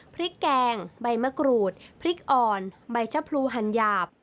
พริกแกงใบมะกรูดพริกอ่อนใบชะพรูหันหยาบ